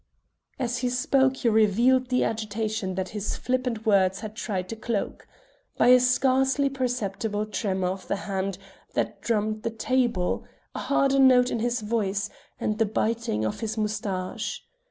As he spoke he revealed the agitation that his flippant words had tried to cloak by a scarcely perceptible tremour of the hand that drummed the table, a harder note in his voice, and the biting of his moustache.